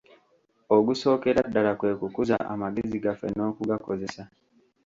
Ogusookera ddala kwe kukuza amagezi gaffe n'okugakozesa.